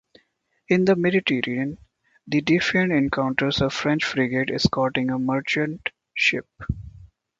In the Mediterranean, the "Defiant" encounters a French frigate escorting a merchant ship.